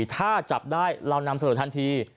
ถ้าจับได้เรานำเสนอทันที